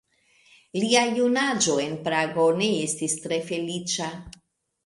Lia junaĝo en Prago ne estis tre feliĉa.